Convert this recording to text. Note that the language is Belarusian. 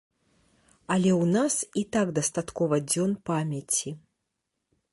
Але ў нас і так дастаткова дзён памяці.